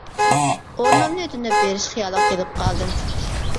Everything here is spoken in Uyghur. ئورنۇمنى ئۆتۈنۈپ بېرىش خىيالىغا كېلىپ قالدىم.